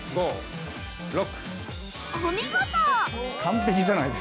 お見事！